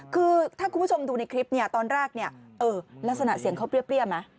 คือถ้าคุณผู้ชมดูในคลิปเนี่ยตอนแรกเนี่ยเออลักษณะเสียงเขาเปรี้ยไหม